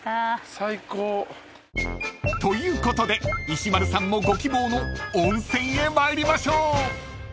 ［ということで石丸さんもご希望の温泉へ参りましょう］